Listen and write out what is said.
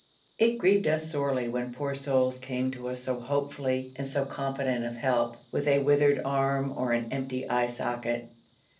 It grieved us sorely when poor souls came to us so hopefully and so confident of help, with a withered arm or an empty eye socket.